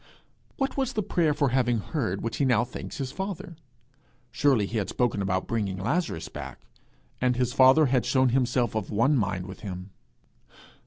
What was the prayer for having heard which he now thanks his father? Surely he had spoken about bringing Lazarus back, and his father had shown himself of one mind with him.